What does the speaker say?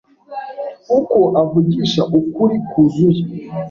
uko avugisha ukuri kuzuye